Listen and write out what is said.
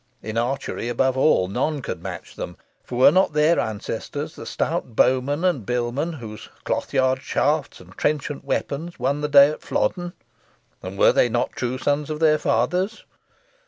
In archery, above all, none could match them; for were not their ancestors the stout bowmen and billmen whose cloth yard shafts, and trenchant weapons, won the day at Flodden? And were they not true sons of their fathers?